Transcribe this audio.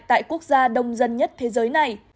tại quốc gia đông dân nhất thế giới này